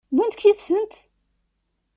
Wwint-k yid-sent?